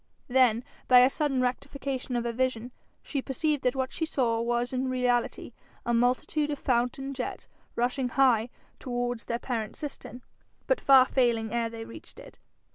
Then, by a sudden rectification of her vision, she perceived that what she saw was in reality a multitude of fountain jets rushing high towards their parent cistern, but far failing ere they reached it.